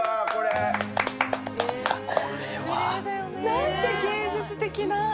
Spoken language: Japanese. なんて芸術的な。